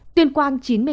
tuyên quang chín mươi ca